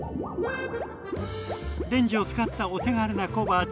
レンジを使ったお手軽な小鉢。